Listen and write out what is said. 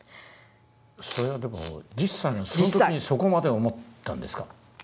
それはでも１０歳のその時にそこまで思ったんですか？